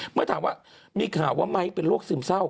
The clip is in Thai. เมื่อถามว่ามีข่าวว่าไม้เป็นโรคซึมเศร้า